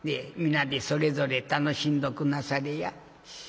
皆でそれぞれ楽しんどくんなされや。